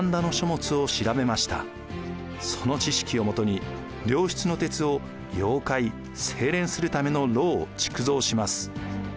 その知識をもとに良質の鉄を溶解・精錬するための炉を築造します。